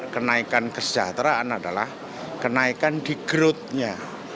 kenaikan kesejahteraan adalah kenaikan di grudnya